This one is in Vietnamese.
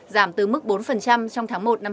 giảm từ mức ba bốn hàng năm